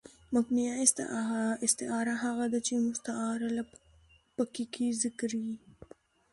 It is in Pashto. مکنیه استعاره هغه ده، چي مستعارله پکښي ذکر يي.